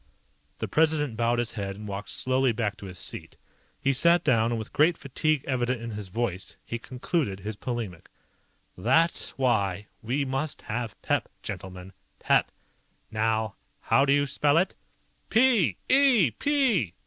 The President bowed his head and walked slowly back to his seat. He sat down, and with great fatigue evident in his voice, he concluded his polemic. "That's why we must have pep, gentlemen. Pep. Now how do you spell it?" "P! E!